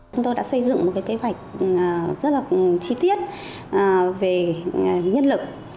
chúng tôi đã xây dựng một kế hoạch rất là chi tiết về nhân lực